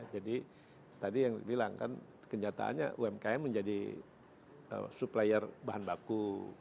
jadi tadi yang dibilang kan kenyataannya umkm menjadi supplier bahan baku